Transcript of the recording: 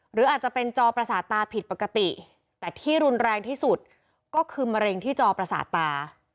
หรืออาจจะเป็นจอประสาทตาผิดปกติแต่ที่รุนแรงที่สุดก็คือมะเร็งที่จอประสาทตา